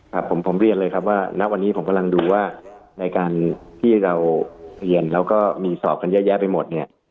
ครับผมผมเรียนเลยครับว่าณวันนี้ผมกำลังดูว่าในการที่เราเรียนแล้วก็มีสอบกันเยอะแยะไปหมดเนี่ย